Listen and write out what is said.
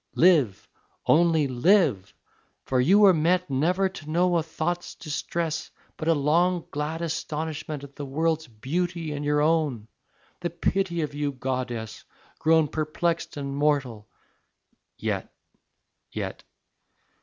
"Live, only live! For you were meant Never to know a thought's distress, But a long glad astonishment At the world's beauty and your own. The pity of you, goddess, grown Perplexed and mortal." Yet ... yet